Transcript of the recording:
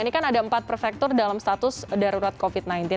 ini kan ada empat prefektur dalam status darurat covid sembilan belas